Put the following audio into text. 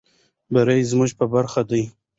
بري زموږ په برخه ده.